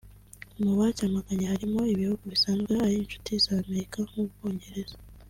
Mu bacyamaganye harimo ibihugu bisanzwe ari inshuti za Amerika nk’Ubwongereza